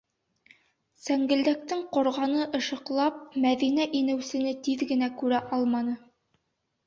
- Сәңгелдәктең ҡорғаны ышыҡлап, Мәҙинә инеүсене тиҙ генә күрә алманы.